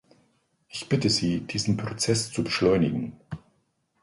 Ich bitte Sie, diesen Prozess zu beschleunigen.